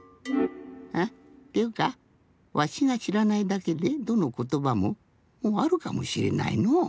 あっっていうかわしがしらないだけでどのことばももうあるかもしれないのう。